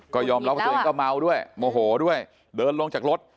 ก็ยอมรับว่าตัวเองก็เมาด้วยโมโหด้วยเดินลงจากรถ